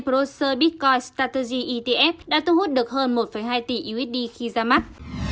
processor bitcoin strategy etf đã thu hút được hơn một hai tỷ usd khi ra mắt